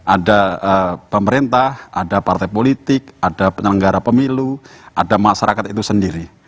ada pemerintah ada partai politik ada penyelenggara pemilu ada masyarakat itu sendiri